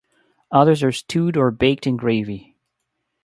Others are stewed or baked in gravy.